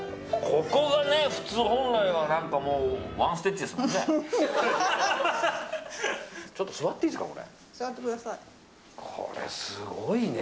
ここが普通、本来はワンステッチですもんね。